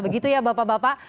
begitu ya bapak bapak